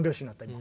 今。